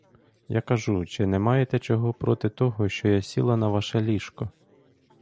Я кажу, чи не маєте чого проти того, що я сіла на ваше ліжко?